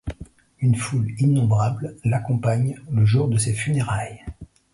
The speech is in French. Une foule innombrable l'accompagne le jour de ses funérailles.